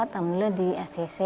kita mulai di scc